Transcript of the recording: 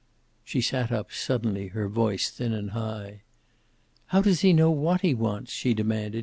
She sat up, suddenly, her voice thin and high. "How does he know what he wants?" she demanded.